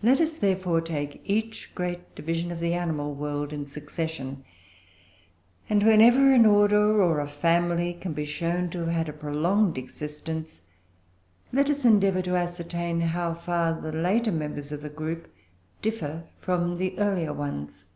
Let us, therefore, take each great division of the animal world in succession, and, whenever an order or a family can be shown to have had a prolonged existence, let us endeavour to ascertain how far the later members of the group differ from the earlier ones.